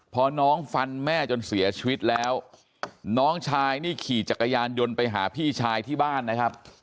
พอน้องฟันแม่จนเสียชีวิตแล้วน้องชายนี่ขี่จักรยานยนต์ไปหาพี่ชายที่บ้านนะครับ